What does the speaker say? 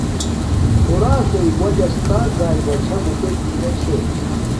خوراک قݵ واجس تا گاݵے بچھا بوٹے جینے چھے